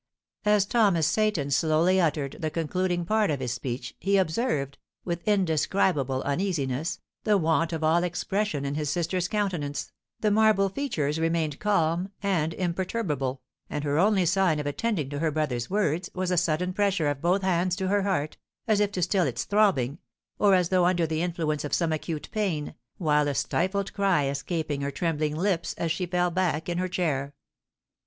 As Thomas Seyton slowly uttered the concluding part of his speech, he observed, with indescribable uneasiness, the want of all expression in his sister's countenance, the marble features remained calm and imperturbable, and her only sign of attending to her brother's words was a sudden pressure of both hands to her heart, as if to still its throbbing, or as though under the influence of some acute pain, while a stifled cry escaped her trembling lips as she fell back in her chair.